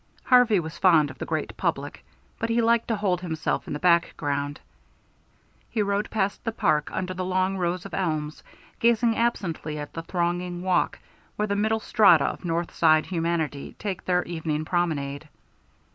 Harvey was fond of the great public, but he liked to hold himself in the background. He rode past the Park under the long row of elms, gazing absently at the thronging walk where the middle strata of North Side humanity take their evening promenade.